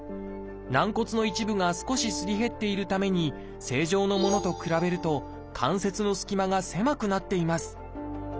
軟骨の一部が少しすり減っているために正常のものと比べると関節の隙間が狭くなっています。